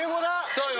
そうよ。